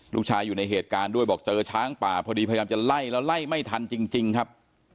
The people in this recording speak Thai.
อยู่ในเหตุการณ์ด้วยบอกเจอช้างป่าพอดีพยายามจะไล่แล้วไล่ไม่ทันจริงครับ